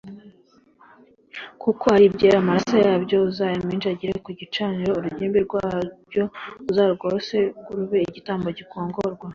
kuko ari ibyera amaraso yabyo k uzayaminjagire ku gicaniro urugimbu rwabyo uzarwose rube igitambo gikongorwa